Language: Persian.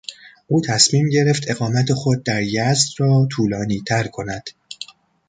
او تصمیم گرفت اقامت خود در یزد را طولانیتر کند.